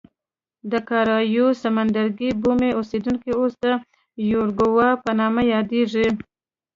د کارایوس سمندرګي بومي اوسېدونکي اوس د یوروګوای په نوم یادېږي.